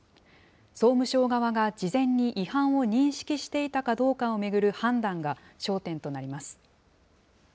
総務省側が事前に違反を認識していたかどうかを巡る判断が焦点となります。